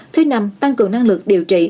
thứ năm tăng cường năng lực điều trị